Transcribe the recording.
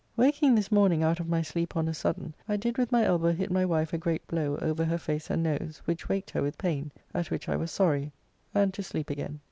Waking this morning out of my sleep on a sudden, I did with my elbow hit my wife a great blow over her face and nose, which waked her with pain, at which I was sorry, and to sleep again.